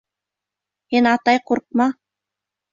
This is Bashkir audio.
— Һин, атай, ҡурҡма.